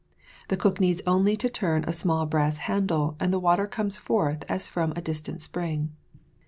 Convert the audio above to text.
The cook needs only to turn a small brass handle, and the water comes forth as from a distant spring.